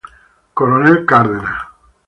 Coronel Cárdenas.